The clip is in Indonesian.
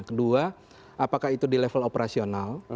kedua apakah itu di level operasional